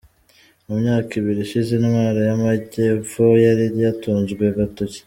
Mu myaka ibiri ishize Intara y’Amajyepfo yari yatunzwe agatoki.